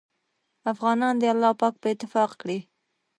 افغانان دې الله پاک په اتفاق کړي